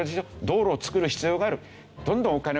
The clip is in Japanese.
「道路を造る必要がある」。